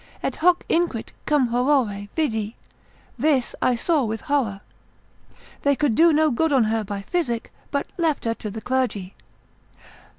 Et hoc (inquit) cum horore vidi, this I saw with horror. They could do no good on her by physic, but left her to the clergy.